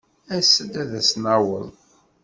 As-d ad as-nɛawed.